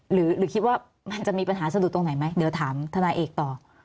หรือคิดว่ามันจะมีปัญหาสะดุดตรงไหนไหมเดี๋ยวถามทนายเอกต่อ